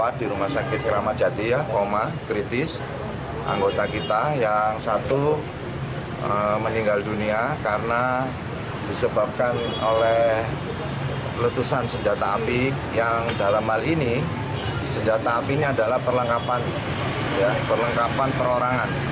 tidak ada yang mau berpikir